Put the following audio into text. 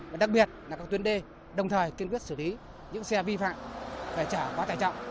và đặc biệt là các tuyến đê đồng thời kiên quyết xử lý những xe vi phạm về chở quá tải trọng